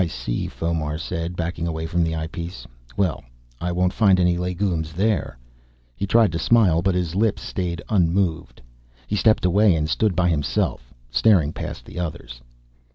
"I see," Fomar said, backing away from the eyepiece. "Well, I won't find any legumes there." He tried to smile, but his lips stayed unmoved. He stepped away and stood by himself, staring past the others.